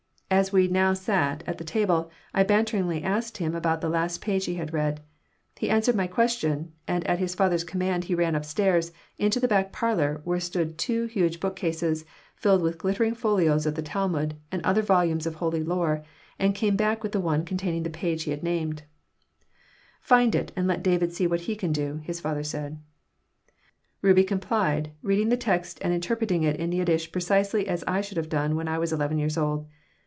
As we now sat at the table I banteringly asked him about the last page he had read. He answered my question, and at his father's command he ran up stairs, into the back parlor, where stood two huge bookcases filled with glittering folios of the Talmud and other volumes of holy lore, and came back with one containing the page he had named "Find it and let David see what you can do," his father said Rubie complied, reading the text and interpreting it in Yiddish precisely as I should have done when I was eleven years old.